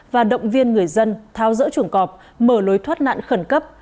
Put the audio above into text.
và động viên người dân thao dỡ trộm cọp mở lối thoát nạn khẩn cấp